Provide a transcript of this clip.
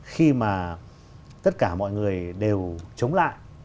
khi mà tất cả mọi người đều chống lại